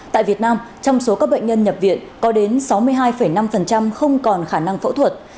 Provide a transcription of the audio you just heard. tại việt nam trong số các bệnh nhân nhập viện có đến sáu mươi hai năm không còn khả năng phẫu thuật